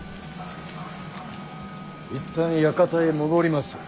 一旦館へ戻りまする。